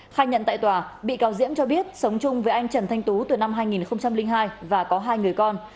khai nhận tại tòa bị cáo diễm cho biết sống chung với anh trần thanh tú từ năm hai nghìn hai và có hai người con